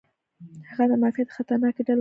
هغه د مافیا د خطرناکې ډلې غړی و.